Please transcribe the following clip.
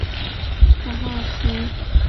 سهار شو.